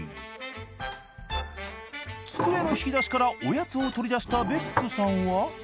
机の引き出しからおやつを取り出したベックさんは。